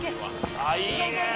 あぁいい！